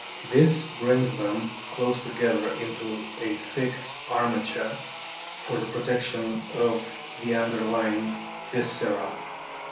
This brings them close together into a thick armature for the protection of the underlying viscera.